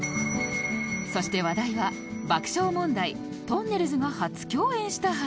そして話題は爆笑問題とんねるずが初共演した話に